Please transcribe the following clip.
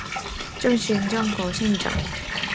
重平儿童游戏场